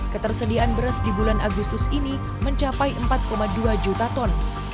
ketersediaan beras di bulan agustus ini mencapai empat dua juta ton